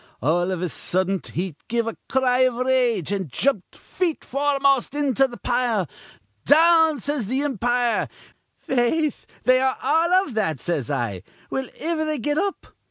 All iv a suddent he give a cry iv rage, an' jumped feet foremost into th' pile. 'Down!' says th' impire. 'Faith, they are all iv that,' says I. 'Will iver they get up?'